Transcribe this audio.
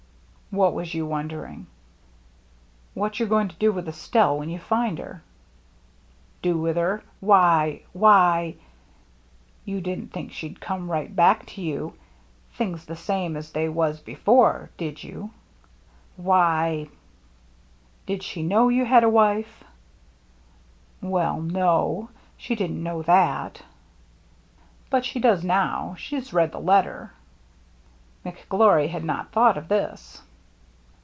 " What was you wondering ?"What you're going to do with Estelle when you find her." " Do with her ? Why — why —" VAN DEELEN'S BRIDGE 315 " You didn't think she'd come right back to you — things the same as they was before — did you?" "Why —"" Did she know you had a wife ?"" Well, no, — she didn't know that." " But she does now. She has read the letter." McGlory had not thought of this.